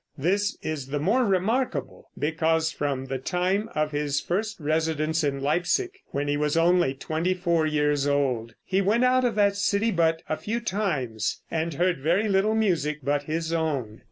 This is the more remarkable because from the time of his first residence in Leipsic when he was only twenty four years old he went out of that city but a few times, and heard very little music but his own.